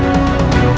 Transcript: saya ada benar